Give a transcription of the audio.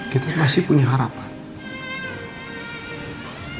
kita masih punya harapan